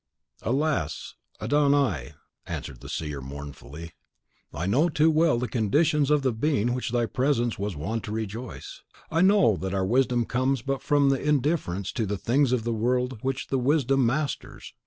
"Alas, Adon Ai!" answered the seer, mournfully, "I know too well the conditions of the being which thy presence was wont to rejoice. I know that our wisdom comes but from the indifference to the things of the world which the wisdom masters.